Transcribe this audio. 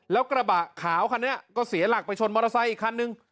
แล้วกระบะขาวคันนี้ก็เสียหลักไปชนมอเตอร์ไซค์อีกคันนึง